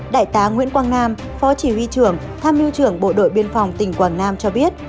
đại tá nguyễn quang nam phó chỉ huy trưởng tham mưu trưởng bộ đội biên phòng tỉnh quảng nam cho biết